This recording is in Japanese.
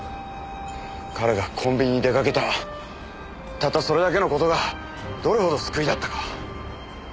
彼がコンビニに出かけたたったそれだけの事がどれほど救いだったか。